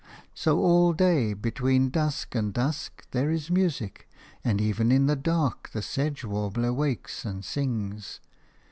So all day between dusk and dusk there is music, and even in the dark the sedge warbler wakes and sings.